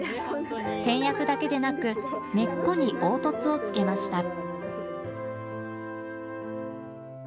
点訳だけでなく根っこに凹凸を付けました。